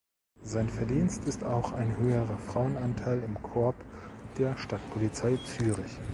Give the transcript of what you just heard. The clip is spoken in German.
Sein Verdienst ist auch ein höherer Frauenanteil im Korps der Stadtpolizei Zürich.